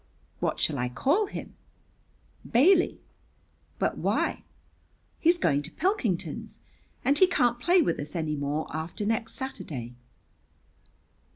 "What shall I call him?" "Bailey." "But why?" "He's going to Pilkington's. And he can't play with us any more after next Saturday."